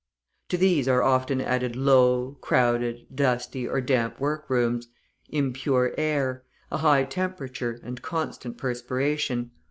To these are often added low, crowded, dusty, or damp workrooms, impure air, a high temperature, and constant perspiration.